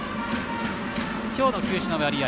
今日の球種の割合。